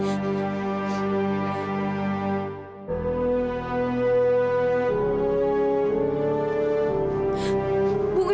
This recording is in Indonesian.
sama siapa buh avi